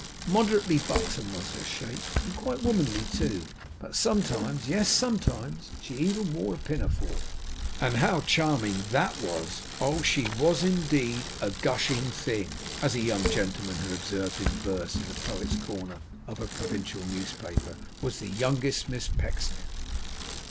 Moderately buxom was her shape, and quite womanly too; but sometimes yes, sometimes she even wore a pinafore; and how charming THAT was! Oh! she was indeed 'a gushing thing' (as a young gentleman had observed in verse, in the Poet's Corner of a provincial newspaper), was the youngest Miss Pecksniff!